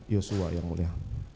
yosua yang mulia